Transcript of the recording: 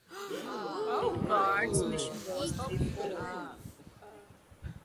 The Elite Guards' mission was threefold.